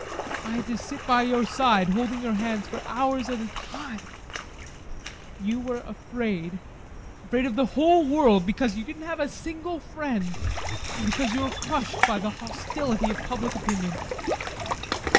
I had to sit by your side, holding your hand for hours at a time: you were afraid, afraid of the whole world, because you didn't have a single friend, and because you were crushed by the hostility of public opinion.